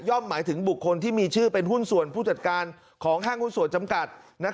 หมายถึงบุคคลที่มีชื่อเป็นหุ้นส่วนผู้จัดการของห้างหุ้นส่วนจำกัด